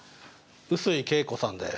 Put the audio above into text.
臼井慶子さんです。